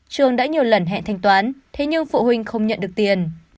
trường đã nhiều lần hẹn thanh toán thế nhưng phụ huynh không nhận được tiền